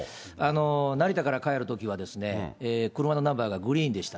成田から帰るときはですね、車のナンバーがグリーンでした。